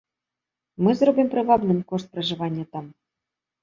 Мы зробім прывабным кошт пражывання там.